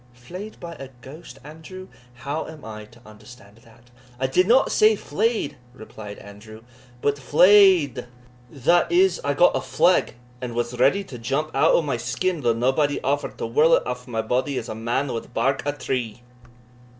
"Flay'd by a ghost, Andrew! how am I to understand that?" "I did not say flay'd," replied Andrew, "but fley'd, that is, I got a fleg, and was ready to jump out o' my skin, though naebody offered to whirl it aff my body as a man wad bark a tree."